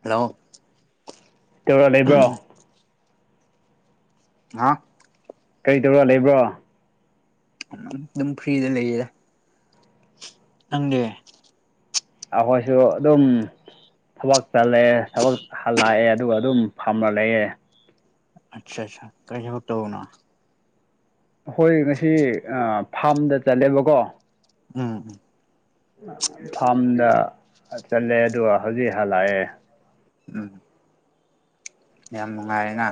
hello ꯇꯧꯔ ꯂꯩꯕ꯭ꯔꯣ ꯍꯥ ꯀꯩ ꯇꯧꯔ ꯂꯩꯕ꯭ꯔꯣ ꯑꯗꯨꯝ ꯐ꯭ꯔꯤꯗ ꯂꯩꯌꯦꯗ ꯅꯪꯗꯤ ꯑꯈꯣꯏꯁꯨ ꯑꯗꯨꯝ ꯊꯕꯛ ꯆꯠꯂꯦ ꯊꯕꯛ ꯍꯜꯂꯥꯑꯦ ꯑꯗꯨꯒ ꯑꯗꯨꯝ ꯐꯥꯝꯃ ꯂꯩꯌꯦ ꯑꯆꯥ ꯑꯆꯥ ꯀꯩ ꯊꯕꯛ ꯇꯧꯕꯅꯣ ꯑꯩꯈꯣꯏ ꯉꯁꯤ ꯑ ꯐꯥꯝꯗ ꯆꯠꯂꯦꯕ ꯀꯣ ꯎꯝ ꯐꯥꯝꯗ ꯑ ꯆꯜꯂꯦ ꯑꯗꯨꯒ ꯍꯧꯖꯤꯛ ꯍꯜꯂꯥꯛꯑꯦ ꯎꯝ ꯌꯥꯝ ꯅꯨꯡꯉꯥꯏꯔꯦꯅ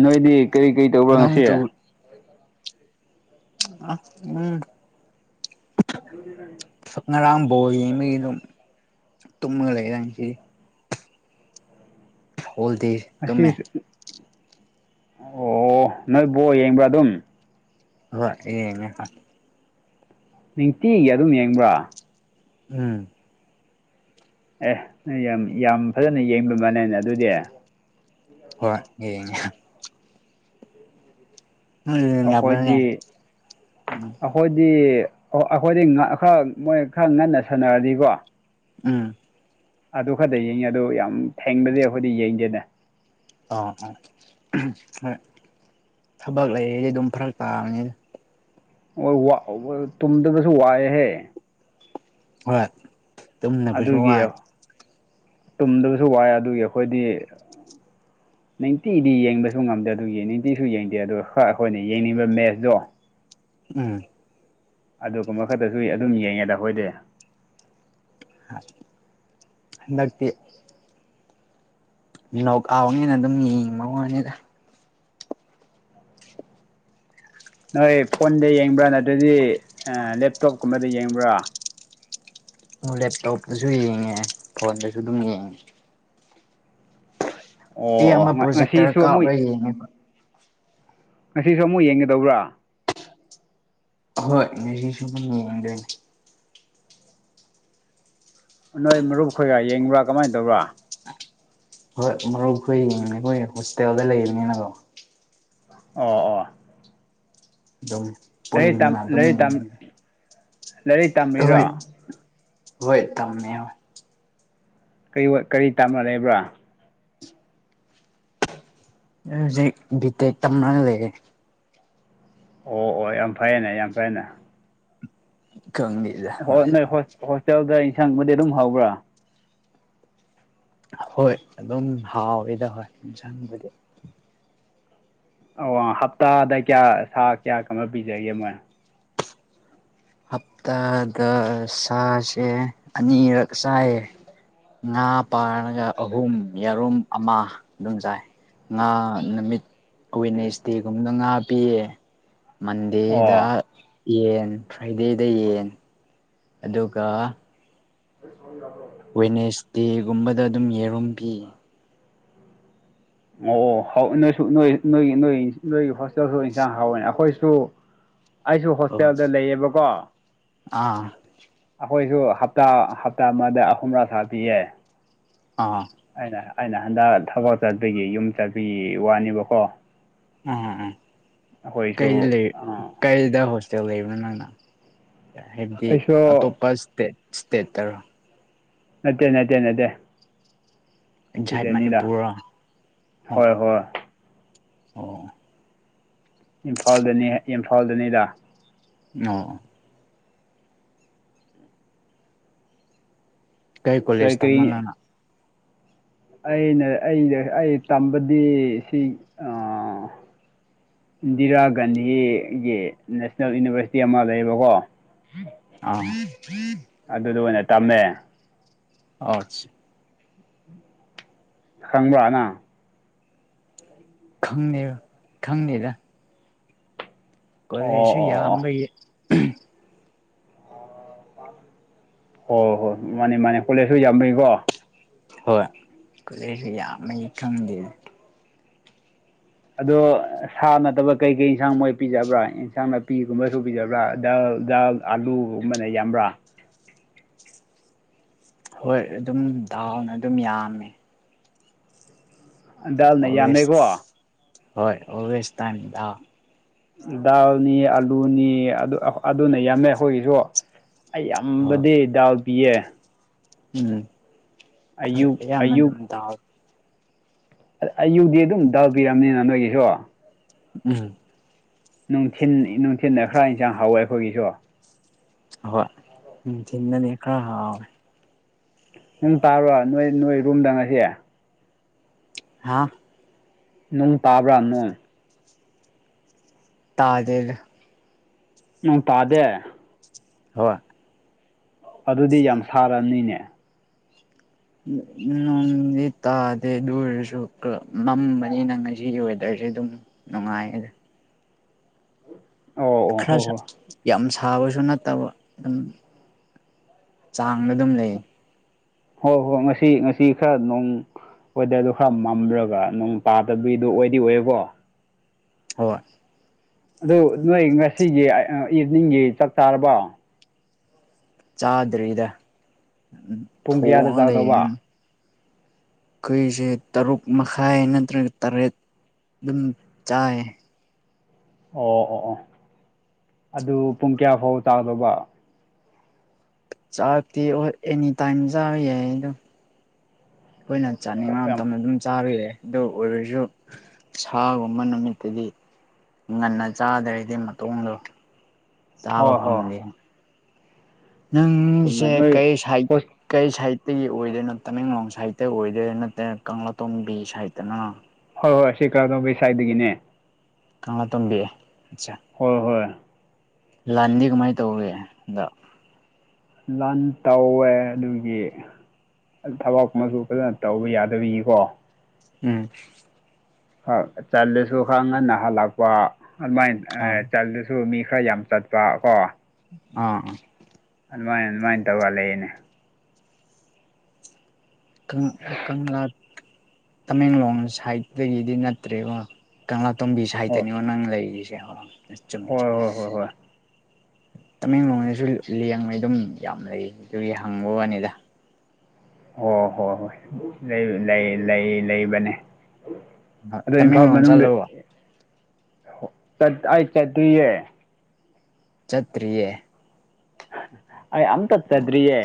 ꯅꯣꯏꯗꯤ ꯀꯔꯤ ꯀꯔꯤ ꯇꯧꯕꯔꯥ ꯉꯁꯤ ꯅꯪꯗꯨ ꯑꯥ ꯎꯝ [inaudible] ꯀ ꯉꯔꯥꯡ ꯕꯣꯜ ꯌꯦꯡꯕꯒꯤ ꯑꯗꯨꯝ ꯇꯨꯝꯃꯒ ꯂꯩꯔꯦ ꯉꯁꯤꯗꯤ ꯐꯣꯜꯗꯤ ꯑꯁꯤꯁ ꯑꯣ ꯅꯣꯏ ꯕꯣꯜ ꯌꯦꯡꯕ꯭ꯔꯥ ꯑꯗꯨꯝ ꯍꯣꯏ ꯌꯦꯡꯉꯦ ꯅꯤꯡꯇꯤ ꯒꯤ ꯑꯗꯨꯝ ꯌꯦꯡꯕ꯭ꯔꯥ ꯎꯝ ꯑꯦ ꯅꯪ ꯌꯥꯝ ꯌꯥꯝ ꯐꯖꯅ ꯌꯦꯡꯕ ꯃꯥꯜꯂꯦꯅꯦ ꯑꯗꯨꯗꯤ ꯍꯣꯏ ꯌꯦꯡꯉꯦ ꯎꯝ ꯌꯥꯕ꯭ꯔꯅꯦ ꯑꯩꯈꯣꯏꯗꯤ ꯑ ꯎꯝ ꯑꯩꯈꯣꯏꯗꯤ ꯑꯩ-ꯑꯩꯈꯣꯏꯗꯤ ꯑ ꯈꯔ ꯃꯣꯏ ꯈꯔ ꯉꯟꯅ ꯁꯥꯟꯅꯔꯗꯤꯀꯣ ꯎꯝ ꯑꯗꯨ ꯈꯛꯇ ꯌꯦꯡꯉꯤ ꯑꯗꯨ ꯌꯥꯝ ꯊꯦꯡꯅꯗꯤ ꯑꯩꯈꯣꯏꯗꯤ ꯌꯦꯡꯗꯦꯅꯦ ꯑꯥ ꯑꯥ ꯎꯍꯨꯝ ꯍꯣꯏ ꯊꯕꯛ ꯂꯩꯔꯗꯤ ꯑꯗꯨꯝ ꯐꯔꯛ ꯇꯥꯕꯅꯤꯗ ꯍꯣꯏ ꯋꯥ ꯑ ꯇꯨꯝꯗꯕꯁꯨ ꯋꯥꯏꯑꯦꯍꯦ ꯍꯣꯏ ꯇꯨꯝꯅꯕꯁꯨ ꯑꯗꯨꯒꯤ ꯋꯥꯏ ꯇꯨꯝꯗꯕꯁꯨ ꯋꯥꯏ ꯑꯗꯨꯒꯤ ꯑꯩꯈꯣꯏꯗꯤ ꯅꯤꯟꯇꯤꯗꯤ ꯌꯦꯡꯕꯁꯨ ꯉꯝꯗꯦ ꯑꯗꯨꯒꯤ ꯅꯤꯟꯇꯤꯁꯨ ꯌꯦꯡꯗꯦ ꯑꯗꯨ ꯍꯣꯏ ꯑꯩꯈꯣꯏꯅ ꯌꯦꯡꯅꯤꯡꯕ ꯃꯦꯠꯁꯇꯣ ꯎꯝ ꯑꯗꯨꯒꯨꯝꯕ ꯈꯛꯇꯁꯨ ꯑꯗꯨꯝ ꯌꯦꯡꯉꯦꯗ ꯑꯩꯈꯣꯏꯗꯤ ꯍꯥꯟꯗꯛꯇꯤ ꯅꯣꯛꯑꯥꯎꯠꯅꯤꯅ ꯑꯗꯨꯝ ꯌꯦꯡꯤꯕ ꯋꯅꯤꯗ ꯅꯣꯏ ꯐꯣꯟꯗ ꯌꯦꯡꯕ꯭ꯔꯥ ꯅꯠꯇ꯭ꯔꯗꯤ ꯂꯦꯞꯇꯣꯞꯀꯨꯝꯕꯗ ꯌꯦꯡꯕ꯭ꯔꯥ ꯂꯦꯞꯇꯣꯞꯇꯁꯨ ꯌꯦꯡꯉꯦ ꯐꯣꯟꯗꯁꯨ ꯑꯗꯨꯝ ꯌꯦꯡꯉꯦ ꯑꯣ ꯑꯩ ꯑꯣ ꯑꯃ ꯄ꯭ꯔꯣꯖꯦꯛꯇꯔ ꯉꯁꯤꯁꯨ ꯑꯃꯨꯛ ꯀꯥꯞꯂꯒ ꯌꯦꯡꯉꯦꯕ ꯉꯁꯤꯁꯨ ꯑꯃꯨꯛ ꯌꯦꯡꯒꯗꯧꯕ꯭ꯔꯥ ꯍꯣꯏ [unintelligible] ꯅꯣꯏ ꯃꯔꯨꯞ ꯈꯣꯏꯔ ꯌꯦꯡꯕ꯭ꯔꯥ ꯀꯃꯥꯏꯅ ꯇꯧꯕꯔꯥ ꯍꯣꯏ ꯃꯔꯨꯞ ꯑꯩꯈꯣꯏ [unintelligible] ꯍꯣꯁꯇꯦꯜꯗ ꯂꯩꯕꯅꯤꯅꯀꯣ ꯑꯣ ꯑꯣ ꯑꯗꯨ ꯂꯥꯏꯔꯤꯛ ꯄꯨꯅ ꯑꯗꯨꯝ ꯂꯥꯏꯔꯤꯛ ꯂꯥꯏꯔꯤꯛ ꯍꯣꯏ ꯇꯝꯃꯤꯔꯣ ꯍꯣꯏ ꯇꯝꯃꯦ ꯍꯣꯏ ꯀꯔꯤ ꯇꯥꯅꯔꯦꯕ꯭ꯔꯥ ꯍꯧꯖꯤꯛ ꯕꯤꯇꯦꯛ ꯇꯝꯔꯒ ꯂꯩꯔꯦ ꯑꯣ ꯑꯣ ꯌꯥꯝ ꯐꯩꯌꯦꯅꯦ ꯌꯥꯝ ꯐꯩꯌꯦꯅꯦ ꯈꯪꯒꯦ ꯍ ꯅꯣꯏ ꯍꯣꯁꯇꯦꯜꯗ ꯏꯟꯁꯥꯡꯕꯨꯗꯤ ꯑꯗꯨꯝ ꯍꯧꯕ꯭ꯔꯥ ꯍꯣꯏ ꯑꯗꯨꯝ ꯍꯥꯎꯋꯤꯗ ꯍꯣꯏ ꯏꯟꯁꯪꯕꯨꯗꯤ ꯑꯣ ꯍꯞꯇꯥꯗ ꯀꯌꯥ ꯁꯥ ꯀꯌꯥ ꯀꯃꯣ ꯄꯤꯖꯒꯦ ꯃꯣꯏ ꯍꯞꯇꯥꯗ ꯁꯥꯁꯦ ꯑꯅꯤꯔꯛ ꯆꯥꯏꯌꯦ ꯉꯥ ꯄꯥꯔꯒ ꯑꯍꯨꯝ ꯌꯦꯔꯨꯝ ꯑꯃ ꯑꯗꯨꯝ ꯆꯥꯏ ꯉꯥ ꯅꯨꯃꯤꯠ ꯋꯤꯅꯦꯁ ꯗꯦꯒꯨꯝꯗ ꯉꯥꯞꯄꯤꯌꯦ ꯃꯟꯗꯦꯗ ꯑꯣ ꯌꯦꯟ ꯐ꯭ꯔꯥꯏꯗꯦꯗ ꯌꯦꯟ ꯑꯗꯨꯒ [unintelligible] ꯋꯦꯅꯦꯁ ꯗꯦꯒꯨꯝꯕꯗ ꯑꯗꯨꯝ ꯌꯦꯔꯨꯝ ꯄꯤꯌꯦ ꯑꯣ ꯑꯣ ꯅꯣꯏꯁꯨ ꯅꯣꯏ ꯅꯣꯏꯒꯤ ꯅꯣꯏ ꯅꯣꯏꯒꯤ ꯍꯣꯁꯇꯦꯜꯁꯨ ꯏꯟꯁꯥꯡ ꯍꯥꯎꯋꯦ ꯑꯩꯈꯣꯏꯁꯨ ꯑꯩꯁꯨ ꯑꯣ ꯍꯣꯁꯇꯦꯜꯗ ꯂꯩꯌꯦꯕꯀꯣ ꯑꯥ ꯑꯩꯈꯣꯏꯁꯨ ꯍꯞꯇꯥ ꯍꯞꯇꯥ ꯑꯃꯗ ꯑꯍꯨꯝꯂꯥ ꯁꯥ ꯄꯤꯌꯦ ꯑꯥ ꯑꯩꯅ ꯑꯩꯅ ꯍꯟꯗꯛ ꯊꯕꯛ ꯆꯠꯄꯒꯤ ꯌꯨꯝ ꯆꯥꯕꯤꯒꯤ ꯋꯥꯅꯦꯕꯀꯣ ꯎꯝ ꯎꯝ ꯀꯩ ꯑꯩꯈꯣꯏꯁꯨ ꯂꯩ ꯑꯥ ꯀꯔꯤꯗ ꯍꯣꯁꯇꯦꯜ ꯂꯩꯕꯅꯣ ꯅꯪꯅ ꯍꯥꯏꯕꯗꯤ ꯑꯩꯁꯨ ꯑꯇꯣꯞꯄ ꯏꯁꯇꯦꯠ ꯏꯁꯇꯦꯠꯇꯔꯣ ꯅꯠꯇꯦ ꯅꯠꯇꯦ ꯅꯠꯇꯦ ꯏꯟꯁꯥꯏꯠ ꯁꯤꯗꯅꯤꯗ ꯃꯅꯤꯄꯨꯔꯔꯣ ꯑꯣ ꯍꯣꯏ ꯍꯣꯏ ꯑꯣ ꯏꯝꯐꯥꯜꯗꯅꯤ ꯏꯝꯐꯥꯜꯗꯅꯤꯗ ꯑꯣ ꯀꯩ ꯀꯣꯂꯦꯖ ꯀꯔꯤ ꯀꯔꯤ ꯇꯝꯃꯅꯪꯅ ꯑꯩꯅ ꯑꯩꯗ ꯑꯩ ꯇꯝꯕꯗꯤ ꯁꯤ ꯏꯟꯗꯤꯔꯥ ꯒꯥꯟꯙꯤꯒꯤ ꯅꯦꯁꯅꯦꯜ ꯌꯨꯅꯤꯚꯔꯁꯤꯇꯤ ꯑꯃ ꯂꯩꯌꯦꯕꯀꯣ ꯎ ꯎ ꯑꯗꯨꯗ ꯑꯣꯏꯅ ꯇꯝꯃꯦ ꯑꯣ ꯈꯪꯕ꯭ꯔꯅꯪ [inaudible] ꯈꯪꯅꯤ ꯈꯪꯅꯤꯗ ꯑꯣ ꯀꯣꯂꯦꯖꯁꯨ ꯑꯣ ꯑꯣ ꯌꯥꯝꯕꯒꯤ ꯍꯣꯏ ꯍꯣꯏ ꯍꯣꯏ ꯃꯥꯅꯦ ꯃꯥꯅꯦ ꯀꯣꯂꯦꯖꯁꯨ ꯌꯥꯝꯕꯒꯤꯀꯣ ꯍꯣꯏ ꯀꯣꯂꯦꯁꯨ ꯌꯥꯝ ꯃꯩ ꯈꯪꯗꯦ ꯑꯗꯣ ꯁꯥ ꯅꯠꯇꯕ ꯀꯩꯀꯩ ꯌꯦꯟꯁꯥꯡ ꯃꯣꯏ ꯄꯤꯖꯕ꯭ꯔꯥ ꯏꯟꯁꯥꯡ ꯅꯥꯄꯤꯒꯨꯝꯕꯁꯨ ꯄꯤꯖꯕ꯭ꯔꯥ ꯗꯥꯜ ꯗꯥꯜ ꯑꯥꯂꯨꯒꯨꯝꯕꯅ ꯌꯥꯝꯕ꯭ꯔꯥ ꯍꯣꯏ ꯑꯗꯨꯝ ꯗꯥꯎꯅ ꯑꯗꯨꯝ ꯌꯥꯝꯃꯦ ꯗꯥꯜꯅ ꯑꯣꯋꯦꯁ ꯌꯥꯝꯃꯦꯀꯣ ꯍꯣꯏ ꯑꯣꯋꯦꯁ ꯇꯥꯏꯗꯥ ꯗꯥꯜꯅꯤ ꯑꯂꯨꯅꯤ ꯑꯗꯨ ꯑꯗꯨꯅ ꯌꯥꯝꯃꯦ ꯑꯩꯈꯣꯏꯒꯤꯁꯨ ꯑꯩ ꯍꯣꯏ ꯌꯥꯝꯕꯗꯤ ꯗꯥꯎ ꯄꯤꯌꯦ ꯎꯝ ꯑꯌꯨꯛ ꯍꯣꯏ ꯌꯥꯝ ꯃ ꯑꯗꯨꯝ ꯇ ꯑꯩ ꯌꯨꯗꯤ ꯑꯗꯨꯝ ꯗꯥꯎ ꯄꯤꯔꯕꯅꯤꯅ ꯅꯣꯏꯒꯤꯁꯨ ꯎꯝ ꯅꯨꯡꯊꯤꯟ ꯅꯨꯡꯊꯤꯤꯟꯗ ꯈꯔ ꯏꯟꯁꯥꯡ ꯍꯥꯎꯋꯦ ꯑꯩꯈꯣꯏꯒꯤꯁꯨ ꯍꯣꯏ ꯎꯝ ꯊꯅꯅꯤ ꯈꯔ ꯍꯥꯎ ꯅꯪ ꯇꯥꯔꯣ ꯅꯣꯏ ꯅꯣꯏ ꯔꯨꯝꯗꯪ ꯉꯁꯦ ꯍꯥꯥ ꯅꯨꯡ ꯇꯥꯕ꯭ꯔꯥ ꯅꯣꯏ ꯇꯥꯗꯦ ꯅꯪ ꯇꯥꯗꯦ ꯍ ꯑꯗꯨꯗꯤ ꯌꯥꯝ ꯁꯥꯔꯅꯤꯅꯦ ꯅꯣꯡꯗꯤ ꯇꯥꯗꯦ ꯑꯗꯨ ꯑꯣꯏꯔꯁꯨ ꯃꯝꯕꯅꯤ ꯅꯪ ꯉꯁꯤꯒꯤ ꯋꯦꯗꯔꯁꯦ ꯑꯗꯨꯝ ꯅꯨꯡꯉꯥꯏꯌꯦ ꯑꯣ ꯑꯣ ꯍꯣꯏ ꯈꯔꯁ ꯍꯣꯏ ꯌꯥꯝ ꯁꯥꯕꯁꯨ ꯅꯠꯇꯕ ꯑꯗꯨꯝ ꯆꯥꯡꯗ ꯑꯗꯨꯝ ꯂꯩ ꯍꯣꯏ ꯍꯣꯏ ꯉꯁꯤ ꯉꯁꯤ ꯈꯔ ꯅꯣꯡ ꯑꯣꯗꯔꯗꯨꯣ ꯈꯔ ꯃꯝ꯭ꯔꯒ ꯅꯅꯨꯡ ꯇꯥꯗꯕꯕꯤꯗꯣ ꯑꯣꯏꯗꯤ ꯑꯣꯏꯌꯦꯀꯣ ꯍꯣꯏ ꯑꯗꯨ ꯅꯣꯏ ꯉꯁꯤꯒꯤ ꯏꯚꯅꯤꯡꯒꯤ ꯆꯥꯛꯇꯥꯥꯔꯕꯣ ꯆꯥꯗ꯭ꯔꯔꯤꯗ ꯄꯨꯡ ꯀꯌꯥꯗ ꯊꯣꯡꯉ ꯆꯥꯒꯗꯧꯕ ꯂꯩꯔꯤꯅꯤ ꯑꯩꯈꯣꯏꯁꯦ ꯇꯔꯨꯛ ꯃꯈꯥꯏ ꯅꯠꯇ꯭ꯔꯒ ꯇꯔꯦꯠ ꯑꯗꯨꯝ ꯆꯥꯏ ꯑꯣ ꯑꯣ ꯑꯣ ꯑꯗꯨ ꯄꯨꯡ ꯀꯌꯥꯐꯥꯎ ꯆꯥꯒꯗꯧꯕ ꯆꯥꯔꯛꯇꯦ ꯑꯣ ꯑꯦꯅꯤ ꯇꯥꯏꯝ ꯆꯥꯕ ꯌꯥꯏꯗꯣꯏꯅ ꯆꯥꯅꯤꯡꯕ ꯑꯣ ꯌꯥꯝ ꯃꯇꯝ ꯑꯗꯨꯝ ꯆꯥꯕꯤꯔꯛꯑꯦ ꯑꯗꯨ ꯑꯣꯏꯔꯁꯨ ꯁꯥꯒꯨꯝꯕ ꯅꯨꯃꯤꯠꯇꯗꯤ ꯉꯟꯅ ꯆꯥꯗꯔꯤꯗꯤ ꯃꯇꯣꯡꯗꯣ ꯆꯥꯕ ꯍꯣꯏ ꯍꯣꯏ ꯐꯪꯗꯦ ꯅꯪ ꯆꯨꯝꯃꯦ ꯆꯦ ꯅꯣꯏ ꯀꯩꯁꯥꯏ ꯍꯣꯏ ꯀꯩ ꯁꯥꯏꯠꯇꯒꯤ ꯑꯣꯏꯗꯣꯏꯅꯣ ꯇꯃꯦꯡꯂꯣꯡ ꯁꯥꯏꯠꯇ ꯑꯣꯏꯗꯣꯏꯅꯣ ꯅꯠꯇꯅ ꯀꯪꯂꯥꯇꯣꯡꯝꯕꯤ ꯁꯥꯏꯠꯇꯅꯣ ꯍꯣꯏ ꯍꯣꯏ ꯁꯤ ꯀꯥꯗꯣꯝꯕꯩ ꯁꯥꯏꯗꯒꯤꯅꯦ ꯀꯪꯂꯥ ꯇꯣꯝꯕꯤ ꯆꯦ ꯍꯣꯏ ꯍꯣꯏ ꯂꯥꯟꯗꯤ ꯀꯃꯥꯏꯅ ꯇꯧꯈꯔ ꯍꯟꯗꯛ ꯂꯟ ꯇꯧꯋꯦ ꯑꯗꯨꯒꯤ ꯊꯕꯛ ꯃꯨ ꯐꯖꯅ ꯇꯧꯕ ꯌꯥꯗꯕꯤꯒꯤꯀꯣ ꯎꯝ ꯆꯥꯜꯂꯁꯨ ꯈꯔ ꯉꯟꯅ ꯍꯜꯂꯛꯄ ꯑꯗꯨꯃꯥꯏꯅ ꯑꯥ ꯆꯥꯜ ꯁꯨ ꯃꯤ ꯈꯔ ꯌꯥꯝ ꯆꯠꯄ ꯀꯣ ꯑꯥ ꯑꯗꯨꯃꯥꯏꯅ ꯑꯗꯨꯃꯥꯏꯅ ꯇꯧꯔ ꯂꯩꯏꯅꯦ ꯀꯪꯂꯥ ꯇꯃꯦꯡꯂꯣꯡ ꯁꯥꯏꯠꯇꯒꯤꯗꯤ ꯅꯠꯇ꯭ꯔꯦꯕ ꯀꯪꯂꯥ ꯇꯣꯝꯕꯤ ꯍꯣꯏ ꯁꯥꯏꯇꯅꯤꯉꯣ ꯅꯪ ꯂꯩꯔꯤꯁꯦ ꯆꯨꯝꯃꯤ ꯍꯣꯏ ꯆꯨꯝꯃꯤ ꯍꯣꯏ ꯍꯣꯏ ꯍꯣꯏ ꯇꯃꯦꯡꯂꯣꯡꯗꯁꯨ ꯂꯡꯕꯩ ꯑꯗꯨꯝ ꯌꯥꯝ ꯂꯩ ꯑꯗꯨꯒꯤ ꯍꯪꯕ ꯋꯥꯅꯤꯗ ꯍꯣ ꯍꯣꯏ ꯍꯣꯏ ꯂꯩ ꯂꯩ ꯂꯩꯕꯅꯦ ꯑꯗꯣ ꯏꯝꯐꯥꯜ ꯇꯃꯦꯡꯂꯣꯡ ꯃꯅꯨꯡꯗ ꯆꯠꯂꯕꯣ ꯆꯠ ꯑꯩ ꯆꯠꯇ꯭ꯔꯤꯌꯦ ꯆꯠꯇ꯭ꯔꯤꯌꯦ ꯑꯩ ꯑꯝ ꯇꯠ ꯆꯗ꯭ꯔꯤꯌꯦ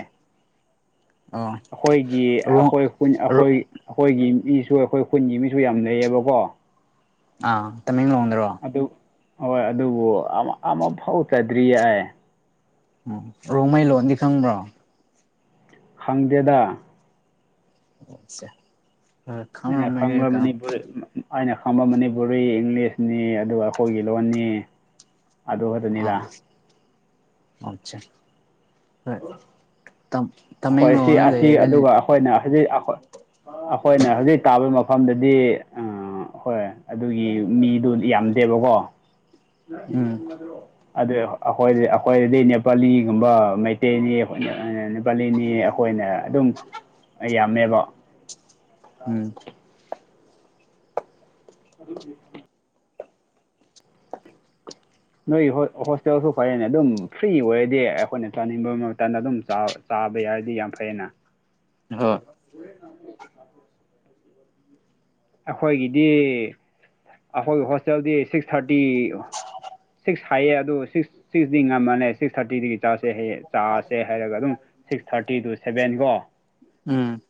ꯑꯣ ꯑꯩꯈꯣꯏꯒꯤ ꯔꯣꯡ ꯑꯩꯈꯣꯏ ꯑꯩꯈꯣꯏ ꯑꯩꯈꯣꯏꯒꯤ ꯃꯤꯁꯨ ꯑꯩꯈꯣꯏ ꯈꯨꯟꯒꯤ ꯃꯤꯁꯨ ꯌꯥꯝ ꯂꯩꯩꯌꯦꯕꯀꯣ ꯑꯥ ꯇꯃꯦꯡꯂꯣꯡꯗꯔꯣ ꯑꯗꯨ ꯍꯣꯏ ꯑꯗꯨꯕꯨ ꯑꯃꯐꯥꯎ ꯆꯗ꯭ꯔꯤꯌꯦ ꯎꯝ ꯔꯣꯡꯃꯩ ꯂꯣꯟꯗꯤ ꯈꯪꯕ꯭ꯔꯣ ꯈꯪꯗꯦꯗ ꯑꯆꯥ ꯑꯩꯅ ꯈꯪꯕ ꯃꯅꯤꯄꯨꯔꯤ ꯑꯩꯅ ꯈꯪꯕ ꯃꯅꯤꯄꯨꯔꯤ ꯏꯪꯂꯤꯁꯅꯤ ꯑꯗꯨꯒ ꯑꯩꯈꯣꯏꯒꯤ ꯂꯣꯟꯅꯤ ꯑꯗꯨ ꯑꯥꯆꯥ ꯈꯛꯇꯅꯤꯗ ꯍꯝ ꯑꯩꯈꯣꯏ ꯁꯤ ꯑꯁꯤ ꯑꯗꯨꯒ ꯑꯩꯈꯣꯏꯅ ꯍꯧꯖꯤꯛ ꯑꯩꯈꯣꯏꯅ ꯍꯧꯖꯤꯛ ꯇꯥꯕꯒꯤ ꯃꯐꯝꯗꯗꯤ ꯍꯣꯏ ꯑꯗꯨꯒꯤ ꯃꯤꯗꯣ ꯌꯥꯝꯗꯦꯕꯀꯣ ꯎꯝ ꯑꯗꯨ ꯑꯩꯈꯣꯏ ꯑꯩꯈꯣꯏꯗꯗꯤ ꯅꯦꯄꯥꯂꯤꯒꯨꯝꯕ ꯃꯩꯇꯩꯅꯤ ꯅꯩꯄꯂꯤꯅꯤ ꯑꯩꯈꯣꯏꯅ ꯑꯗꯨꯝ ꯌꯥꯝꯃꯦꯕ ꯎꯝ [unintelligible] ꯅꯣꯏꯒꯤ ꯍꯣꯁꯇꯦꯜꯁꯨ ꯐꯔꯅꯤ ꯑꯗꯨꯝ ꯐ꯭ꯔꯤ ꯑꯣꯏꯔꯗꯤ ꯑꯩꯈꯣꯏꯅ ꯆꯥꯅꯤꯡꯕ ꯃꯇꯝꯗ ꯑꯗꯨꯝ ꯆꯥꯕ ꯆꯥꯕ ꯌꯥꯔꯗꯤ ꯌꯥꯝ ꯐꯩꯌꯦꯅ ꯍꯣꯏ [unintelligible] ꯑꯩꯈꯣꯏꯒꯤꯗꯤ ꯑꯩꯈꯣꯏꯒꯤ ꯍꯣꯁꯇꯦꯜꯗꯤ ꯁꯤꯛꯁ ꯊꯥꯔꯇꯤ ꯁꯤꯛꯁ ꯍꯥꯏꯌꯦ ꯑꯗꯨ ꯁꯤꯛꯁ ꯁꯤꯛꯁꯇꯤ ꯉꯝꯃꯟꯅꯦ ꯁꯤꯛꯁ ꯊꯥꯔꯇꯤꯗꯒꯤ ꯆꯔꯁꯦ ꯍꯌꯦ ꯆꯥꯔꯥꯁꯦ ꯍꯥꯏꯔꯒ ꯑꯗꯨꯝ ꯁꯤꯛꯁ ꯊꯥꯔꯇꯤ ꯇꯨ ꯁꯚꯦꯟ ꯀꯣ ꯎꯝ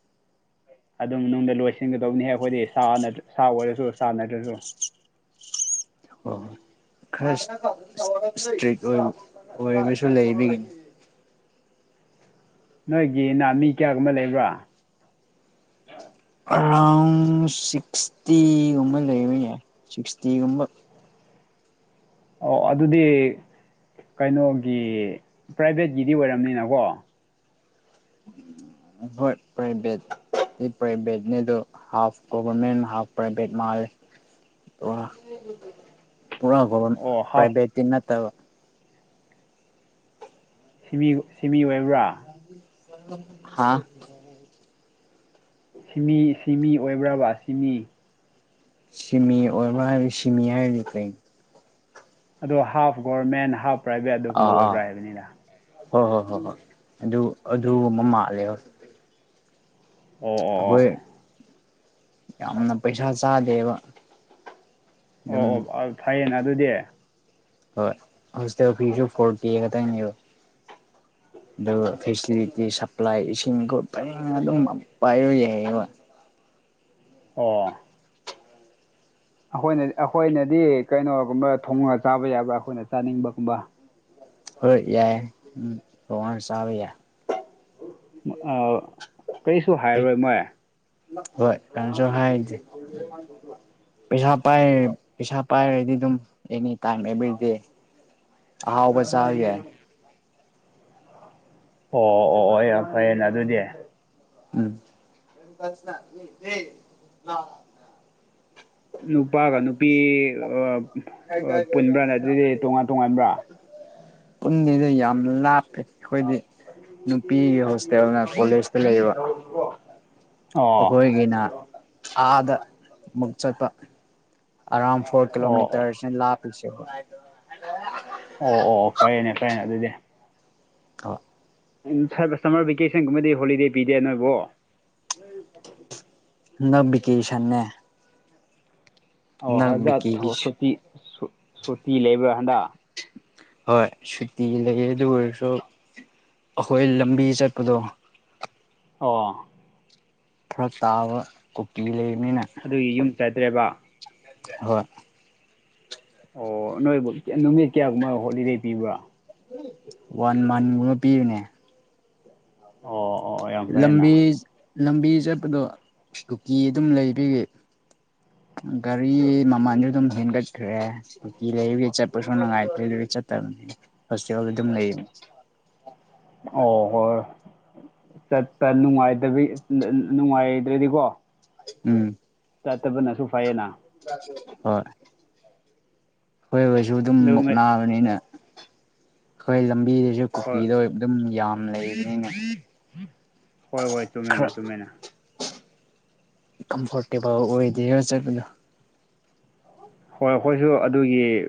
ꯑꯗꯨꯝ ꯅꯨꯡꯗ ꯂꯣꯏꯁꯤꯟꯒꯗꯧꯅꯤꯍꯦꯛ ꯑꯩꯈꯣꯏꯗꯤ ꯁꯥ ꯑꯣꯏꯔꯁꯨ ꯆꯥꯟꯅꯗ꯭ꯔꯁꯨ ꯍꯣꯏ ꯈꯔ ꯏꯁꯇ꯭ꯔꯤꯛ ꯑꯣꯏꯕꯁꯨ ꯂꯩꯕꯤꯒꯤꯅꯤ ꯅꯣꯏꯒꯤꯅ ꯃꯤ ꯀꯌꯥꯒꯨꯝꯕ ꯂꯩꯕ꯭ꯔꯥ ꯑꯔꯥꯎꯟ ꯁꯤꯛꯁꯇꯤꯒꯨꯝꯕ ꯂꯩꯕ ꯌꯥꯏ ꯁꯤꯛꯁꯇꯤꯒꯨꯝꯕ ꯑꯣ ꯑꯗꯨꯗꯤ ꯀꯩꯅꯣꯒꯤ ꯄ꯭ꯔꯥꯏꯚꯦꯠꯀꯤꯗꯤ ꯑꯣꯏꯔꯕꯝꯅꯤꯅꯀꯣ ꯍꯣꯏ ꯄ꯭ꯔꯥꯏꯚꯦꯠ ꯄ꯭ꯔꯥꯏꯚꯦꯠꯅꯦ ꯑꯗꯨꯣ ꯍꯥꯐ ꯒꯣꯚꯔꯃꯦꯟ ꯍꯥꯐ ꯄ꯭ꯔꯥꯏꯚꯦꯠ ꯃꯥꯜꯂꯦ ꯄꯨꯔꯥ ꯄꯨꯔꯥꯒ ꯑꯣ ꯍꯥꯐ ꯄ꯭ꯔꯥꯏꯚꯦꯠꯇꯤ ꯅꯠꯇꯕ ꯁꯤꯃꯤ ꯑꯣꯏꯕ꯭ꯔꯥ ꯍꯥꯥ ꯁꯤꯃꯤ ꯁꯤꯃꯤ ꯑꯣꯏꯕ꯭ꯔꯕ ꯁꯤꯃꯤ ꯁꯤꯃꯤ ꯑꯣꯏꯕ ꯍꯥꯏꯕꯗꯤ ꯁꯤꯃꯤ ꯍꯥꯏꯔꯤꯗꯤ ꯀꯩꯅ ꯑꯗꯣ ꯍꯥꯐ ꯒꯣꯔꯃꯦꯟ ꯍꯥꯐ ꯄ꯭ꯔꯥꯏꯚꯦꯠ ꯑꯗꯨꯒꯨꯝꯕ ꯑꯥ ꯑꯥ ꯑꯣꯏꯕ꯭ꯔꯥ ꯍꯥꯏꯕꯅꯤꯅ ꯍꯣꯏ ꯍꯣꯏ ꯍꯣꯏ ꯍꯣꯏ ꯑꯗꯨ ꯑꯗꯨ ꯑꯃ ꯃꯥꯜꯂꯦ ꯑꯣꯝ ꯑꯩꯈꯣꯏ ꯌꯥꯝꯅ ꯄꯩꯁꯥ ꯆꯥꯗꯦꯕ ꯑꯗꯨꯝ ꯑꯣ ꯑꯣ ꯐꯩꯌꯦꯅ ꯑꯗꯨꯗꯤ ꯍꯣꯏ ꯍꯣꯁꯇꯦꯜ ꯐꯤꯁꯨ ꯐꯣꯔꯇꯤ ꯈꯛꯇꯪꯅꯦꯕ ꯎ ꯑꯗꯨꯒ ꯐꯦꯁꯤꯂꯤꯇꯤ ꯁꯄ꯭ꯂꯥꯏ ꯏꯁꯤꯡ ꯈꯨꯠ ꯄꯦꯡ ꯑꯗꯨꯝ ꯄꯥꯏꯌ ꯌꯥꯏꯌꯦꯕ ꯑꯣ ꯑꯩꯈꯣꯏꯅꯗꯤ ꯑꯩꯈꯣꯏꯅꯗꯤ ꯀꯩꯅꯣꯒꯨꯝꯕ ꯊꯣꯡꯉꯒ ꯆꯥꯕ ꯌꯥꯕ꯭ꯔꯥ ꯑꯩꯈꯣꯏꯅ ꯆꯥꯅꯤꯡꯕꯒꯨꯝꯕ ꯍꯣꯏ ꯌꯥꯏ ꯄꯉꯥꯟ ꯆꯥꯕ ꯌꯥꯏ ꯀꯩꯁꯨ ꯍꯥꯏꯔꯣꯏ ꯃꯣꯏ ꯍꯣꯏ ꯀꯁꯨ ꯍꯥꯏꯗꯤ ꯄꯩꯁꯥ ꯄꯥꯏ ꯄꯩꯁꯥ ꯄꯥꯏꯔꯗꯤ ꯑꯗꯨꯝ ꯑꯦꯅꯤ ꯇꯥꯏꯝ ꯑꯦꯕ꯭ꯔꯤꯗꯦ ꯍꯥꯎꯕ ꯆꯥ ꯌꯥꯏ ꯑꯣ ꯑꯣ ꯑꯣ ꯑꯣ ꯌꯥꯝ ꯐꯩꯌꯦꯅ ꯑꯗꯨꯗꯤ ꯎꯝ ꯅꯨꯄꯥꯒ ꯅꯨꯄꯤ ꯄꯨꯟꯕ꯭ꯔꯥ ꯅꯠꯇ꯭ꯔꯗꯤ ꯇꯣꯉꯥꯟ ꯇꯣꯉꯥꯟꯕ꯭ꯔꯥ ꯄꯨꯟꯅꯤꯗ ꯂꯦ ꯑꯩꯈꯣꯏꯗꯤ ꯅꯨꯄꯤꯒꯤ ꯍꯣꯁꯇꯦꯜꯅ ꯀꯣꯂꯦꯖꯇ ꯂꯩꯌꯦꯕ ꯑꯣ ꯑꯩꯈꯣꯏꯒꯤꯅ ꯑꯥꯗ ꯑꯃꯨꯛ ꯆꯠꯄ ꯑꯔꯥꯎꯟ ꯐꯣꯔ ꯑꯣ ꯑꯣ ꯀꯤꯂꯣꯃꯤꯇꯔꯁꯤꯅ ꯂꯥꯞꯂꯤꯁꯦ ꯑꯣ ꯑꯣ ꯑꯣ ꯐꯔꯦꯅꯦ ꯐꯔꯅꯦ ꯑꯗꯨꯗꯤ [unintelligible] ꯎ ꯁꯝꯃꯔ ꯚꯦꯀꯦꯁꯟꯒꯨꯝꯕꯗꯤ ꯍꯣꯂꯤꯗꯦ ꯄꯤꯗꯦ ꯅꯣꯏꯕꯨ [inaudible] ꯕꯤꯀꯦꯁꯟꯅꯦ ꯑꯣ ꯍꯗ ꯚꯦꯀꯦꯁ ꯁꯨꯇꯤ ꯁꯨꯇꯤ ꯂꯩꯕ꯭ꯔꯥ ꯍꯟꯗ ꯍꯣꯏ ꯁꯨꯇꯤ ꯂꯩ ꯑꯗꯨ ꯑꯣꯏꯔꯁꯨ ꯑꯩꯈꯣꯏ ꯂꯝꯕꯤ ꯆꯠꯄꯗꯣ ꯑꯣ ꯐꯔꯛ ꯇꯥꯕ ꯀꯨꯀꯤ ꯂꯩꯕꯅꯤꯅ ꯑꯗꯨꯒꯤ ꯌꯨꯝ ꯆꯠꯗ꯭ꯔꯦꯕ ꯍꯣꯏ ꯑꯣ ꯅꯣꯏꯕꯨ ꯅꯨꯃꯤꯠ ꯀꯌꯥꯒꯨꯝꯕ ꯍꯣꯂꯤꯗꯦ ꯄꯤꯕ꯭ꯔꯥ ꯋꯥꯟ ꯃꯟꯒꯨꯝꯕ ꯄꯤꯕꯅꯦ ꯑꯣ ꯑꯣ [inaudible] ꯌꯥꯝ ꯂꯝꯕꯤ ꯐꯩꯅ ꯂꯝꯕꯤ ꯆꯠꯄꯗꯣ ꯀꯨꯀꯤ ꯑꯗꯨꯝ ꯂꯩꯔꯤ ꯒꯥꯔꯤ ꯃꯃꯜꯁꯨ ꯑꯗꯨꯝ ꯍꯦꯟꯒꯠꯈ꯭ꯔꯦ ꯀꯨꯀꯤ ꯂꯩꯕꯒꯤ ꯆꯠꯄꯁꯨ ꯅꯨꯡꯉꯥꯏꯇ꯭ꯔꯦ ꯑꯗꯨ ꯆꯠꯇꯕꯅꯤꯅꯦ ꯍꯣꯁꯇꯦꯜ ꯑꯗꯨꯝ ꯂꯩꯕꯅꯤ ꯑꯣ ꯍꯣꯏ ꯍꯣꯏ ꯆꯠꯄ ꯅꯨꯡꯉꯥꯏꯇꯥꯕꯩ ꯅꯨꯡꯉꯥꯏꯗ꯭ꯔꯗꯤꯀꯣ ꯎꯝ ꯆꯠꯇꯕꯅꯁꯨ ꯐꯩꯌꯦꯅ ꯍꯣꯏ ꯑꯩꯈꯣꯏꯒꯁꯨ ꯑꯗꯨꯝ ꯑꯗꯨ ꯉ- ꯃꯨꯛꯅꯥꯕꯅꯤꯅ ꯑꯩꯈꯣꯏ ꯂꯝꯕꯤꯗꯁꯨ ꯍꯣꯏ ꯀꯨꯀꯤꯗ ꯑꯗꯨꯝ ꯌꯥꯝ ꯂꯩꯕꯅꯤꯅꯦ ꯍꯣꯏ ꯍꯣꯏ ꯆꯨꯝꯃꯦꯅꯦ ꯆꯨꯝꯃꯦꯅ ꯀꯝꯐꯣꯔꯇꯦꯕꯜ ꯑꯣꯏꯗꯦꯔ ꯆꯠꯄꯗꯣ ꯍꯣꯏ ꯑꯩꯈꯣꯏꯁꯨ ꯑꯗꯨꯒꯤ